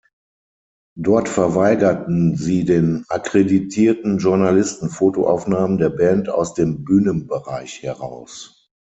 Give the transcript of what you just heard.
Dort verweigerten sie den akkreditierten Journalisten Fotoaufnahmen der Band aus dem Bühnenbereich heraus.